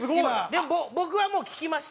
でも僕はもう聞きました。